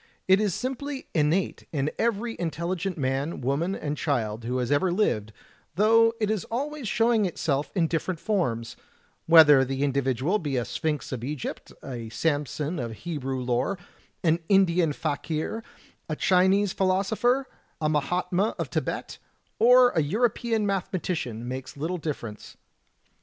It is simply innate in every intelligent man, woman, and child who has ever lived, though it is always showing itself in different forms; whether the individual be a Sphinx of Egypt, a Samson of Hebrew lore, an Indian fakir, a Chinese philoso pher, a mahatma of Tibet, or a European mathematician makes little difference.